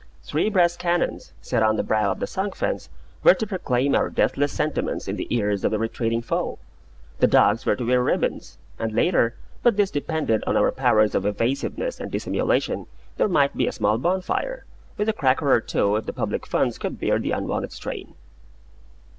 Three brass cannons, set on the brow of the sunk fence, were to proclaim our deathless sentiments in the ears of the retreating foe: the dogs were to wear ribbons, and later but this depended on our powers of evasiveness and dissimulation there might be a small bonfire, with a cracker or two, if the public funds could bear the unwonted strain.